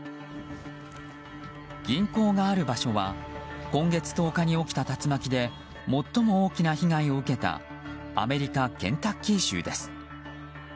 銀行がある場所は今月１０日に起きた竜巻で最も大きな被害を受けたアメリカ・ケンタッキー州です。